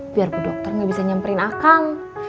biar bu dokter nggak bisa nyamperin akang